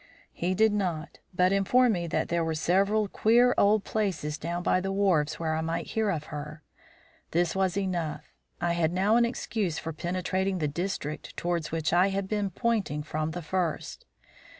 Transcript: He did not, but informed me that there were several queer old places down by the wharves where I might hear of her. This was enough. I had now an excuse for penetrating the district towards which I had been pointing from the first.